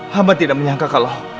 hamba tidak menyangka kalau